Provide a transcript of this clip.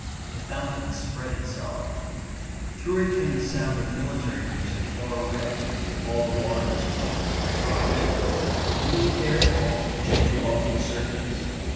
The fountain spread itself. Through it came the sound of military music far away. All the water was puckered with drops. A blue air ball gently bumped the surface.